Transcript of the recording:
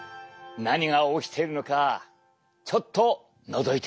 何が起きているのかちょっとのぞいてみよう。